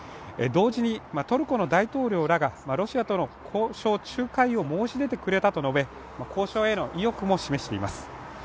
同時にトルコの大統領らがロシアとの交渉仲介を申し出てくれたとも述べて交渉への意欲も示しています。